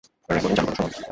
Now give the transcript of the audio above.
Recording চালু কর, শুনুন।